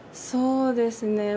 そうですね。